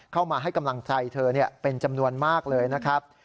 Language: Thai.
เข้ามาให้กำลังใจเธอเป็นจำนวนมากเลยนะครับ